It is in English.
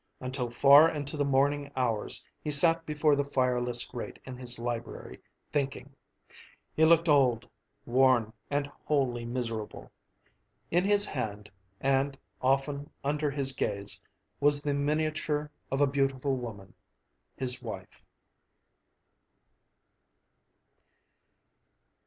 Until far into the morning hours he sat before the fireless grate in his library, thinking. He looked old, worn, and wholly miserable. In his hand, and often under his gaze, was the miniature of a beautiful woman his wife.